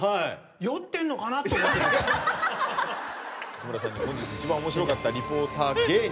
内村さんに本日一番面白かったリポーター芸人。